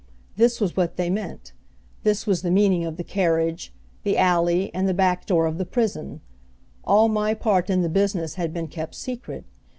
This was what they meant; this was the meaning of the carriage, the alley and the back door of the prison; all my part in the business had been kept secret.